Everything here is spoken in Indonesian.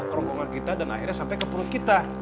ke ronggongan kita dan akhirnya sampai ke perut kita